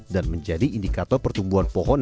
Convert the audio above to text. dan menjadi indikator pertumbuhan pohon